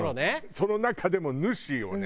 その中でもヌシをね。